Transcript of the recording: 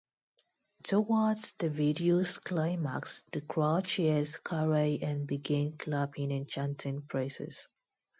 Towards the video's climax, the crowd cheers Carey and begin clapping and chanting praises.